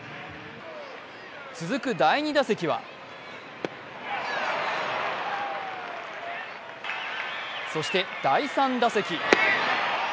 続く第２打席はそして第３打席。